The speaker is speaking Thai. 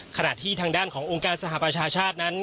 ขณะที่ทางด้านขององค์การสหประชาชาตินั้น